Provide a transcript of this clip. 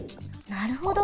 なるほど。